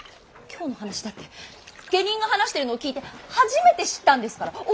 今日の話だって下人が話してるのを聞いて初めて知ったんですから。